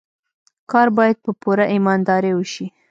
کار باید په پوره ایماندارۍ وشي.